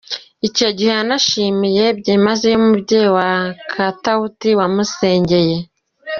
Icyo gihe yanashimiye byimazeyo umubyeyi wa Katauti wamusengeye.